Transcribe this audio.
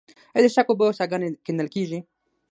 آیا د څښاک اوبو څاګانې کیندل کیږي؟